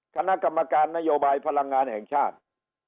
คณะกรรมการนโยบายพลังงานแห่งชาติ